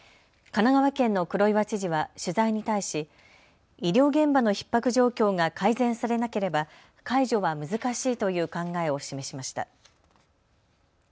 神奈川県の黒岩知事は取材に対し医療現場のひっ迫状況が改善されなければ解除は難しいという考えを示しました。